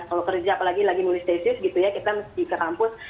kalau kerja apalagi lagi mulus tesis gitu ya kita mesti ke kampus